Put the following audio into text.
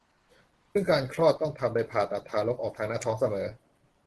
ซึ่งการคลอดต้องทำโดยผ่าตัดทารกออกทางหน้าท้องเสมอ